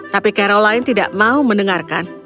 tapi caroline tidak mau mendengarkan